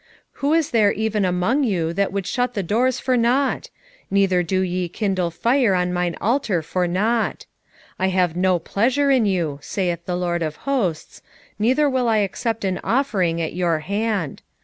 1:10 Who is there even among you that would shut the doors for nought? neither do ye kindle fire on mine altar for nought. I have no pleasure in you, saith the LORD of hosts, neither will I accept an offering at your hand.